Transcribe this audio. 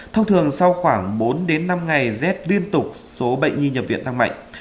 thông thường sau khoảng bốn năm ngày z liên tục số bệnh nhi nhập viện tăng mạnh